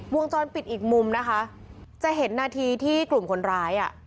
วงจรปิดอีกมุมนะคะจะเห็นนาทีที่กลุ่มคนร้ายอ่ะ